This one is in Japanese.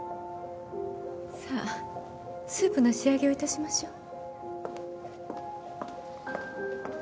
さあスープの仕上げをいたしましょう。